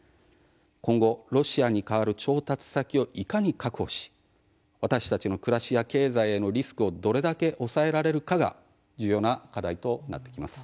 今後、ロシアに代わる調達先をいかに確保し私たちの暮らしや経済へのリスクをどれだけ抑えられるかが重要な課題となってきます。